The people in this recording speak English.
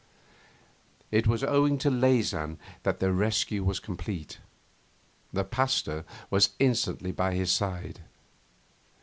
It was owing to Leysin that the rescue was complete. The Pasteur was instantly by his side.